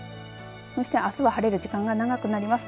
そしてあすは晴れる時間が長くなります。